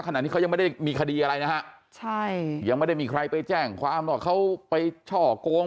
ขณะนี้เขายังไม่ได้มีคดีอะไรนะฮะใช่ยังไม่ได้มีใครไปแจ้งความว่าเขาไปช่อกง